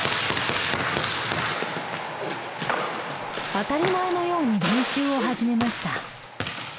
当たり前のように練習を始めました。